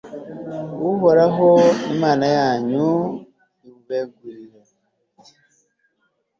uhoraho, imana yanyu, awubegurire